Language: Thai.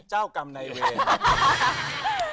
เจ้ากรรมในเวร